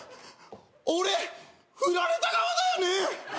俺フラれた側だよね？